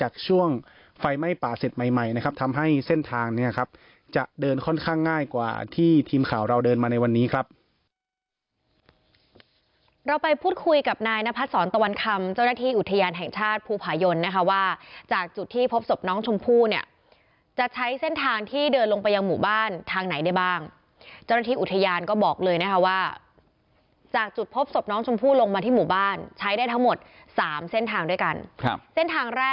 เราเดินมาในวันนี้ครับเราไปพูดคุยกับนายนพัดศรตะวันคำเจ้าหน้าที่อุทยานแห่งชาติภูผายนนะคะว่าจากจุดที่พบศพน้องชมพู่เนี่ยจะใช้เส้นทางที่เดินลงไปยังหมู่บ้านทางไหนได้บ้างเจ้าหน้าที่อุทยานก็บอกเลยนะคะว่าจากจุดพบศพน้องชมพู่ลงมาที่หมู่บ้านใช้ได้ทั้งหมด๓เส้นทางด้วยกันครับ